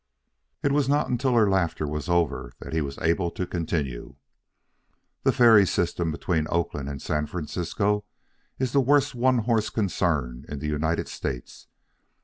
It was not until her laughter was over that he was able to continue. "The ferry system between Oakland and San Francisco is the worst one horse concern in the United States.